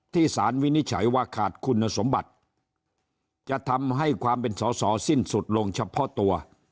สารวินิจฉัยว่าขาดคุณสมบัติจะทำให้ความเป็นสอสอสิ้นสุดลงเฉพาะตัว